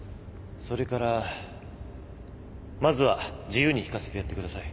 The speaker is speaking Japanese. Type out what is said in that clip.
それからまずは自由に弾かせてやってください